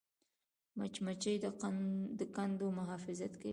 مچمچۍ د کندو محافظت کوي